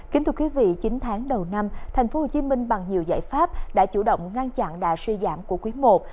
kính thưa quý vị chín tháng đầu năm tp hcm bằng nhiều giải pháp đã chủ động ngăn chặn đà suy giảm của quý i